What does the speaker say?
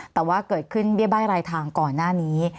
แต่ว่าเกิดขึ้นเบี้ยบ้ายรายทางก่อนหน้านี้